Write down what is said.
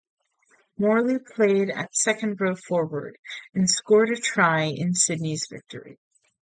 Morley played at second-row forward and scored a try in Sydney's victory.